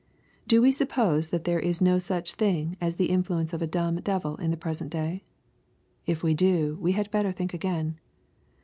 — Do we suppose that there is no such thing as the influence of a " dumb" devil in the present day ? If we do, we had better think again.